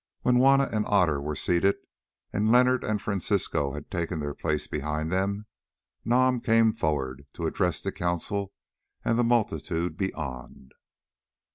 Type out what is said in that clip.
When Juanna and Otter were seated, and Leonard and Francisco had taken their places behind them, Nam came forward to address the Council and the multitude beyond.